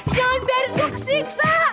jangan biarin gua kesiksa